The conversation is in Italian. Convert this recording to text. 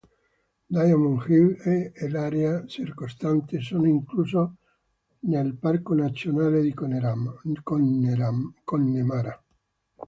Diamond Hill e l'area circostante sono incluse nel Parco nazionale di Connemara.